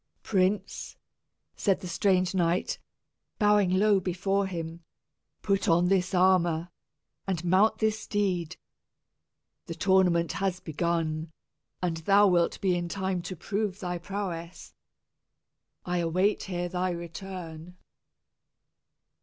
"Prince," said the strange knight, bowing low before him, "put on this armor, and mount this steed. The tournament has begun, and thou wilt be in time to prove thy prowess. I await here thy return."